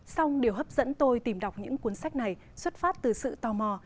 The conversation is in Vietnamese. xong điều hấp dẫn tôi tìm đọc những cuốn sách này xuất phát từ sự tò mò